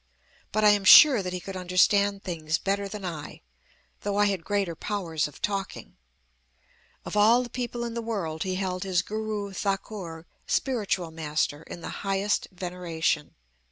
But I am sure that he could understand things better than I, though I had greater powers of talking. "Of all the people in the world he held his Guru Thakur (spiritual master) in the highest veneration.